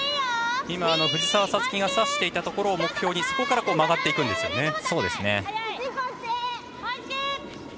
藤澤五月が指していたところを目標に、そこから曲がっていくんですね。